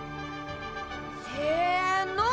せの！